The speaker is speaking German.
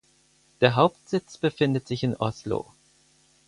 Der Hauptsitz befindet sich in Oslo.